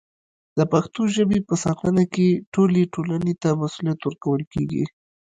د پښتو ژبې په ساتنه کې ټولې ټولنې ته مسوولیت ورکول کېږي.